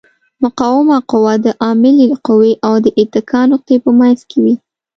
مقاومه قوه د عاملې قوې او د اتکا نقطې په منځ کې وي.